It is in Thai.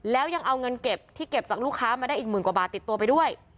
แล้วยังเอาเงินเก็บที่เก็บจากลูกค้ามาได้อีกหมื่นกว่าบาทติดตัวไปด้วย